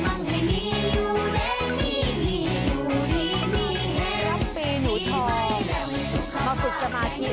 โชคให้มันให้มังให้มีอยู่ได้มีมีอยู่ดีมีให้